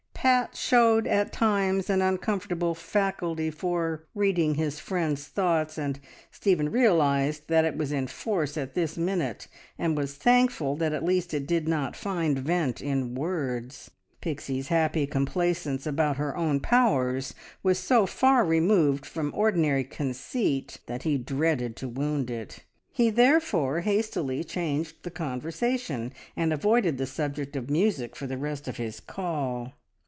Pat showed at times an uncomfortable faculty for, reading his friends' thoughts, and Stephen realised that it was in force at this minute, and was thankful that at least it did not find vent in words. Pixie's happy complacence about her own powers was so far removed from ordinary conceit that he dreaded to wound it. He therefore hastily changed the conversation, and avoided the subject of music for the rest of his call.